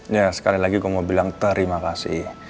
ya sekali lagi gue mau bilang terima kasih